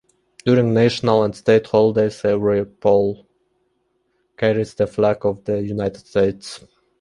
During national and state holidays, every pole carries the flag of the United States.